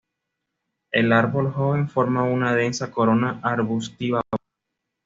El árbol joven forma una densa corona arbustiva baja.